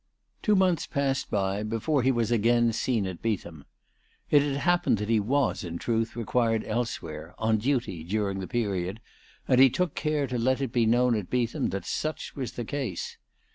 Two months passed by before he was again seen at Beetham. It had happened that he was, in truth, re quired elsewhere, on duty, during the period, and he took care to let it be known at Beetham that such was the case.